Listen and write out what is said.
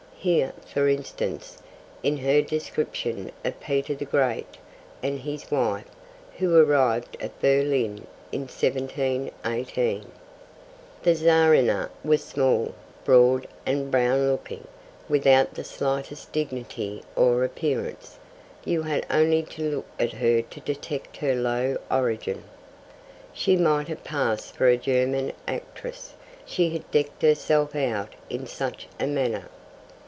Here, for instance, is her description of Peter the Great and his wife, who arrived at Berlin in 1718: The Czarina was small, broad, and brown looking, without the slightest dignity or appearance. You had only to look at her to detect her low origin. She might have passed for a German actress, she had decked herself out in such a manner.